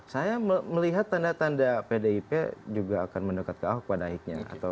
saya melihat tanda tanda pdip juga akan mendekat ke ahok pada akhirnya